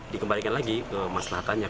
dikembalikan lagi ke masalah tanya